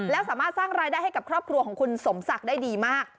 แล้วสามารถสร้างรายได้ให้กับครอบครัวของคุณสมศักดิ์ได้ดีมาก